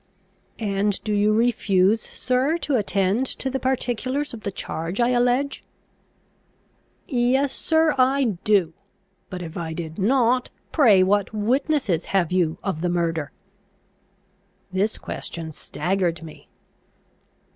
"And do you refuse, sir, to attend to the particulars of the charge I allege?" "Yes, sir, I do. But, if I did not, pray what witnesses have you of the murder?" This question staggered me.